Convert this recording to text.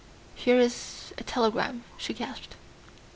"Here is a telegram," she gasped.